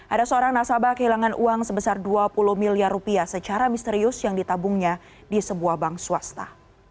ada seorang nasabah kehilangan uang sebesar dua puluh miliar rupiah secara misterius yang ditabungnya di sebuah bank swasta